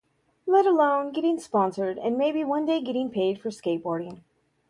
Let alone getting sponsored and maybe one day getting paid for skateboarding.